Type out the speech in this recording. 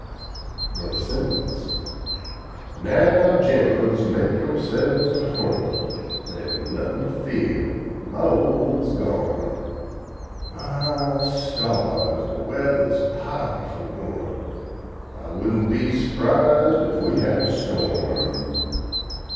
Bro. Simmons "Now, gent'mens, make yo'selves to home, Dare's nothin' to fear my ole 'ooman's gone My stars; da weather's pow'ful warm I wouldn' be s'prised ef we had a storm."